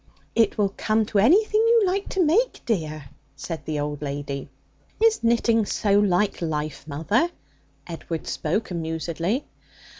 'It will come to anything you like to make, dear,' said the old lady. 'Is knitting so like life, mother?' Edward spoke amusedly.